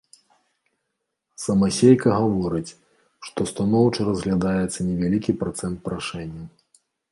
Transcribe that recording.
Самасейка гаворыць, што станоўча разглядаецца невялікі працэнт прашэнняў.